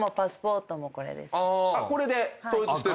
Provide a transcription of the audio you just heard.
これで統一してる。